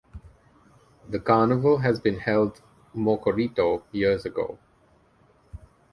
The carnival has been held Mocorito years ago.